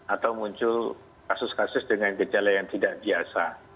atau muncul kasus kasus dengan gejala yang tidak biasa